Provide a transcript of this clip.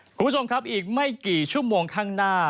คุณผู้ชมครับอีกไม่กี่ชั่วโมงข้างหน้า